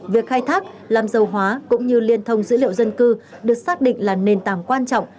việc khai thác làm dầu hóa cũng như liên thông dữ liệu dân cư được xác định là nền tảng quan trọng